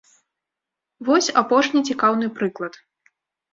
Вось апошні цікаўны прыклад.